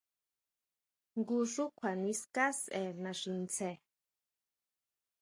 Jngu xú kjua niská sʼe naxi ntsje.